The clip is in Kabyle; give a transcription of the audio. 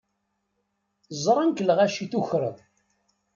Zṛan-k lɣaci tukreḍ.